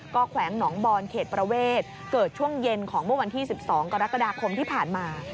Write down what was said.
แขวงหนองบอนเขตประเวทเกิดช่วงเย็นของเมื่อวันที่๑๒กรกฎาคมที่ผ่านมา